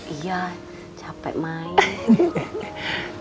iya capek main